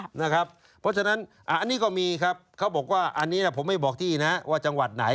เพราะฉะนั้นอันนี้ก็มีครับเขาบอกว่าอันนี้ผมไม่บอกที่นะว่าจังหวัดไหน